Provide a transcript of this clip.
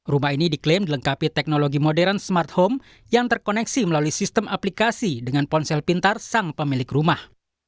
rumah ini diklaim dilengkapi teknologi modern smart home yang terkoneksi melalui sistem aplikasi dengan ponsel pintar sang pemilik rumah